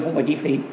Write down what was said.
không có trí phí